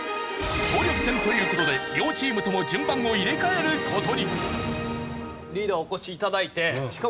総力戦という事で両チームとも順番を入れ替える事に。